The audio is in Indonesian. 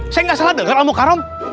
saya nggak salah denger om mokarom